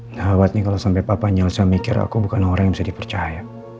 dah abad nih kalau sampai papa nelsa mikir aku bukan orang yang bisa dipercaya